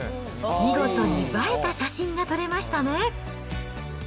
見事に映えた写真が撮れましたね。